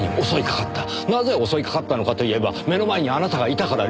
なぜ襲いかかったのかといえば目の前にあなたがいたから。